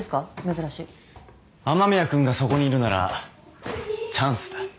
珍しい雨宮君がそこにいるならチャンスだ